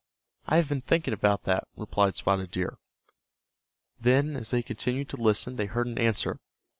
"I have been thinking about that," replied Spotted Deer. Then as they continued to listen they heard an answer.